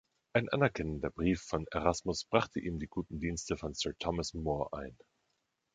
Ein anerkennender Brief von Erasmus brachte ihm die Guten Dienste von Sir Thomas More ein.